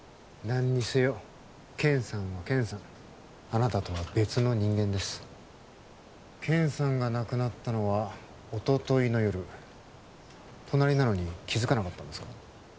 なんにせよケンさんはケンさんあなたとは別の人間ですケンさんが亡くなったのはおとといの夜隣なのに気づかなかったんですか？